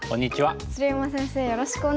鶴山先生